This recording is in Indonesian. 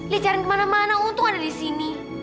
li jaring kemana mana untung ada di sini